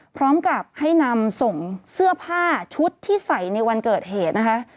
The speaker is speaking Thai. พร้อมกับให้นำส่งเสื้อผ้าชุดที่ใส่ในวันเกิดเหตุนะคะ